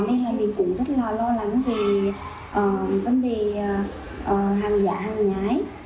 nên là mình cũng rất là lo lắng về vấn đề hàng giả hàng nhái